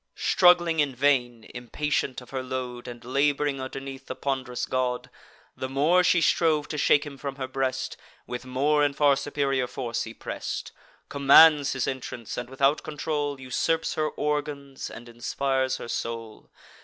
Struggling in vain, impatient of her load, And lab'ring underneath the pond'rous god, The more she strove to shake him from her breast, With more and far superior force he press'd; Commands his entrance, and, without control, Usurps her organs and inspires her soul.